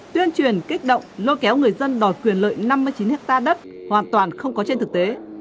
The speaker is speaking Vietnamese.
tuyên truyền kích động lôi kéo người dân đòi quyền lợi năm mươi chín hectare đất hoàn toàn không có trên thực tế